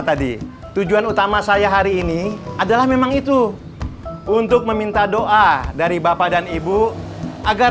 tadi tujuan utama saya hari ini adalah memang itu untuk meminta doa dari bapak dan ibu agar